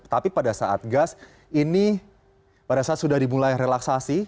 tapi pada saat gas ini pada saat sudah dimulai relaksasi